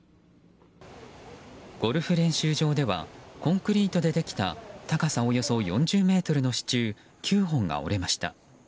ゴルフ練習場ではコンクリートでできた高さおよそ４０ｍの支柱９本が折れました。